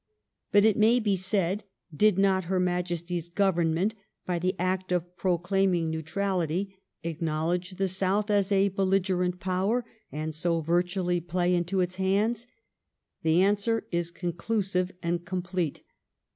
Bat, it may l)e said, did not Her Majesty's Government, by the act of proclaiming neutrality, acknowledge the South as a belligerent power, and so virtually play into its liands ? The answer is conclusive and complete.